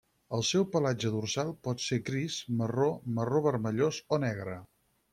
El seu pelatge dorsal pot ser gris, marró, marró vermellós o negre.